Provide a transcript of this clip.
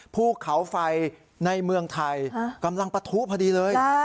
ภูเขาไฟในเมืองไทยกำลังปะทุพอดีเลย